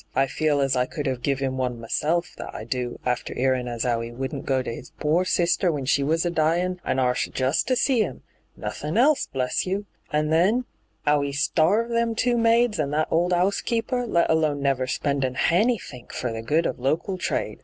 I feel as I could have giv him one myself, that I do, after 'earin' as 'ow he wouldn't go to his pore sister when she was a dyin', and D,gt,, 6rtbyGOOglC 58 ENTRAPPED arst just to see 'im — nothin' else, bless you I And, then, 'ow he starved them two maids and that old 'ousekeeper, let alone never spendin' hanythink for the good of local trade.